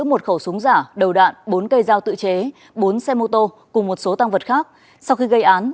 một khẩu súng giả đầu đạn bốn cây dao tự chế bốn xe mô tô cùng một số tăng vật khác sau khi gây án